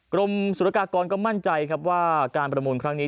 กรมสุรกากรก็มั่นใจครับว่าการประมูลครั้งนี้